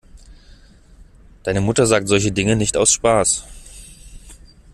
Deine Mutter sagt solche Dinge nicht aus Spaß.